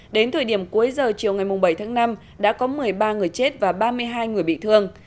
đến thời điểm cuối giờ chiều ngày bảy tháng năm đã có một mươi ba người chết và ba mươi hai người bị thương